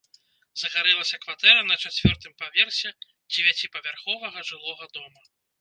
Загарэлася кватэра на чацвёртым паверсе дзевяціпавярховага жылога дома.